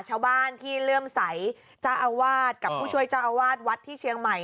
ชาวบ้านที่เลื่อมใสเจ้าอาวาสกับผู้ช่วยเจ้าอาวาสวัดที่เชียงใหม่